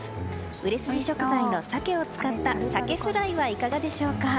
売れ筋食材のサケを使ったサケフライはいかがでしょうか？